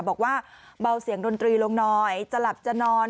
บอกว่าเบาเสียงดนตรีลงหน่อยจะหลับจะนอน